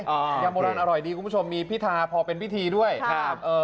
อ่ายาโบราณอร่อยดีคุณผู้ชมมีพิธาพอเป็นพิธีด้วยครับเอ่อ